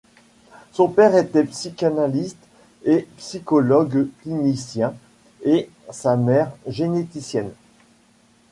Son père était psychanalyste et psychologue clinicien et sa mère généticienne.